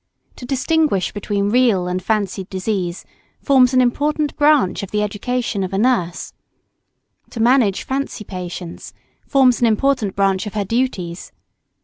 To distinguish between real and fancied disease forms an important branch of the education of a nurse. To manage fancy patients forms an important branch of her duties.